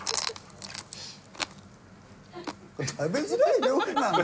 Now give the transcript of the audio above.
食べづらい料理なんだ。